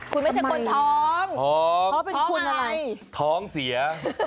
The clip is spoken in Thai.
คุณไม่ใช่คนท้องเพราะเป็นคุณอะไรท้องเสีย